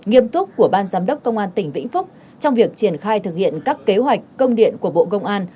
nghiêm túc của ban giám đốc công an tỉnh vĩnh phúc trong việc triển khai thực hiện các kế hoạch công điện của bộ công an